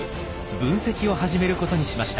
分析を始めることにしました。